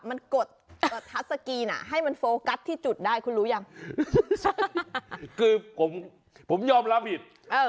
มันกดทัศกรีนอ่ะให้มันโฟกัสที่จุดได้คุณรู้ยังคือผมผมยอมรับผิดเออ